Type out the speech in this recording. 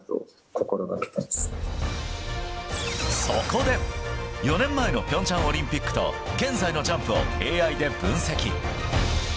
そこで４年前の平昌オリンピックと現在のジャンプをＡＩで分析。